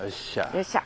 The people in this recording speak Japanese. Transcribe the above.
よっしゃ。